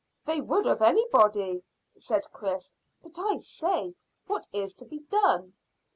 "They would of anybody," said Chris. "But I say, what is to be done?"